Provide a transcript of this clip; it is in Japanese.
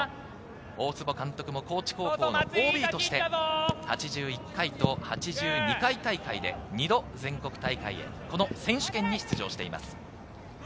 大坪監督も高知高校のＯＢとして、８１回と８２回大会で２度全国大会へ、この選手権に出場しています。